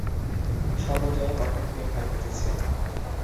সর্বজয়া কখন থেকে ক্ষার কেচেছে?